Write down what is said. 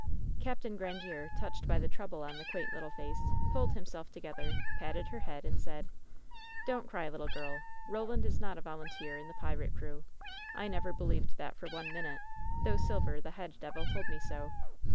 Capt. Grandiere, touched by the trouble on the quaint little face, pulled himself together, patted her head, and fnid: "Don't cry, litle girl! Roland is not a volunteer in WHEN SHADOWS DIE 48 the pirate crew. I never believed that for one minute, though Silver, the head devil, told me so.